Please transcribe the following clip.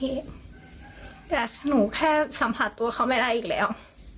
คิดว่าเขาอยู่กับหนูหรอครับพี่แต่หนูแค่สัมผัสตัวเขาไม่ได้อีกแล้ว